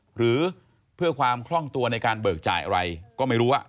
หรือเพื่อความคล่องตัวในการเบิกจ่ายอะไรก็ไม่รู้